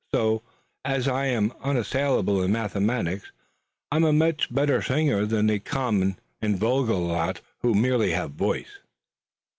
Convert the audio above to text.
So, as I am unassailable in mathematics, I'm a much better singer than the common and vulgar lot who merely have voice."